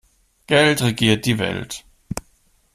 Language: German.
Geld regiert die Welt.